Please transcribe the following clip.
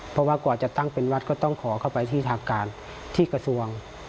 เพราะว่ากว่าจะตั้งเป็นวัดก็ต้องขอเข้าไปที่ทางการที่กระทรวง